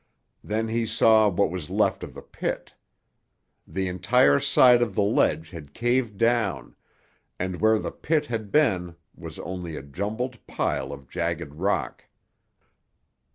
Then he saw what was left of the pit. The entire side of the ledge had caved down, and where the pit had been was only a jumbled pile of jagged rock.